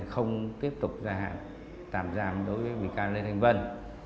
không tiếp tục gia hạn tạm giam đối với bị can lê thanh vân